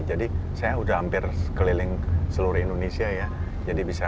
jadi saya sudah hampir keliling seluruh indonesia ya